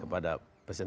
kita tidak bicara presiden